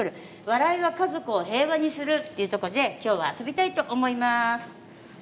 笑いは家族を平和にする！」っていうとこで今日は遊びたいと思いまーす。